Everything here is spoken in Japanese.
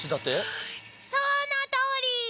そのとおり！